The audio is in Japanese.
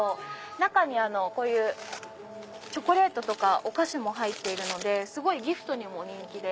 中にこういうチョコレートとかお菓子も入っているのですごいギフトにも人気で。